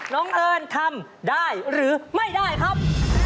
เอิญทำได้หรือไม่ได้ครับ